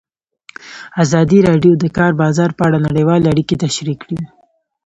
ازادي راډیو د د کار بازار په اړه نړیوالې اړیکې تشریح کړي.